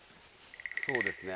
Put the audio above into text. そうですね。